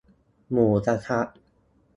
หมูกะทะ